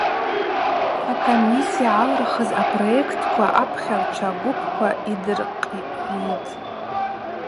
Акомиссия йгӏалырхыз апроектква апхьагӏвчва гвыпква йдырхъйитӏ.